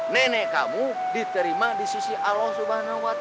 nenek kamu diterima di sisi allah swt